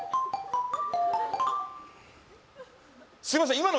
すいません